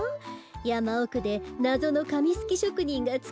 やまおくでなぞのかみすきしょくにんがつくっているらしいわ。